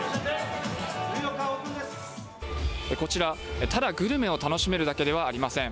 こちら、ただグルメを楽しめるだけではありません。